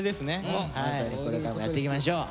ホントにこれからもやっていきましょう。